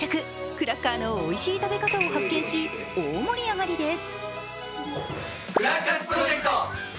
クラッカーのおいしい食べ方を発見し大盛り上がりです。